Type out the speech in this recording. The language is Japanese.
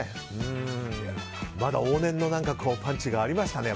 まだ往年のパンチがありましたね